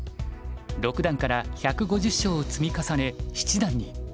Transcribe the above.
六段から１５０勝を積み重ね七段に。